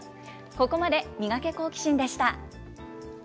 ここまで、ミガケ、好奇心！でした。